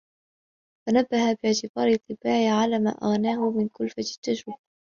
فَنَبَّهَ بِاعْتِبَارِ الطِّبَاعِ عَلَى مَا أَغْنَاهُ عَنْ كُلْفَةِ التَّجْرِبَةِ